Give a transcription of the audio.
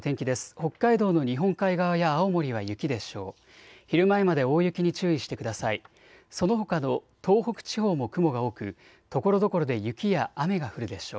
北海道の日本海側や青森は雪でしょう。